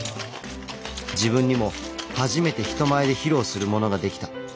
自分にも初めて人前で披露するものができた。